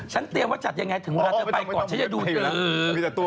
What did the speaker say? ฉันเตรียมว่าจัดอย่างไรถึงเวลาจะไปก่อนฉันจะดู